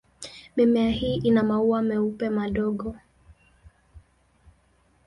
Mimea hii ina maua meupe madogo.